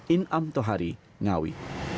in'am thohari ngawi